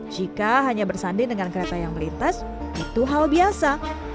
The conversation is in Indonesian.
jika hanya bersanding dengan kereta yang melintas itu hal biasa